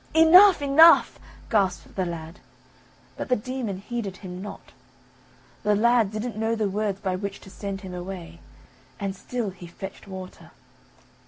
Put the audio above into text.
"Enough, enough!" gasped the lad; but the demon heeded him not; the lad didn't know the words by which to send him away, and still he fetched water.